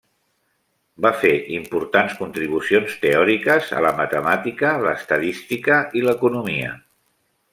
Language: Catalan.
Va fer importants contribucions teòriques a la matemàtica, l'estadística i l'economia.